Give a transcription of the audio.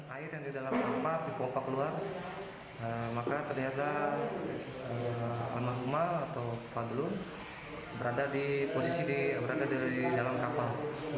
air yang di dalam kapal di kompak luar maka ternyata alam rumah atau padulun berada di posisi berada di dalam kapal